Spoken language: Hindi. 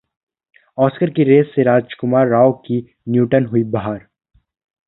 ऑस्कर की रेस से राजकुमार राव की न्यूटन हुई बाहर